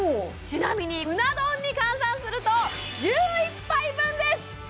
ちなみにうな丼に換算すると１１杯分です